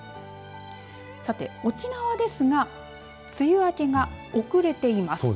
さて、沖縄ですが梅雨明けが遅れています。